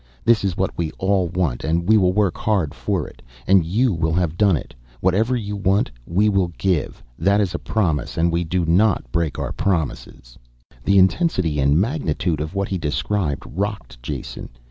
This is what we all want and we will work hard for it. And you will have done it. Whatever you want we will give. That is a promise and we do not break our promises." The intensity and magnitude of what he described rocked Jason.